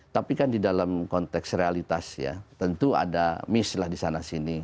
tapi kan di dalam konteks realitas ya tentu ada miss lah di sana sini